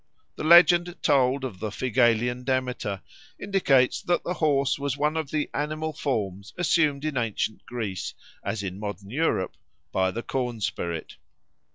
The legend told of the Phigalian Demeter indicates that the horse was one of the animal forms assumed in ancient Greece, as in modern Europe, by the cornspirit.